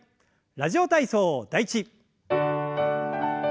「ラジオ体操第１」。